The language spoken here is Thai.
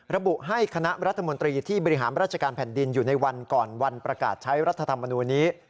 ระบุให้คณะรัฐมนตรีที่บริหารราชการแผ่นดินอยู่ในวันก่อนวันประกาศใช้รัฐธรรมนูลนี้